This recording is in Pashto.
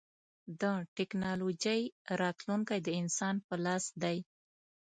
د ټکنالوجۍ راتلونکی د انسان په لاس دی.